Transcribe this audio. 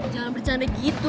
jangan bercanda gitu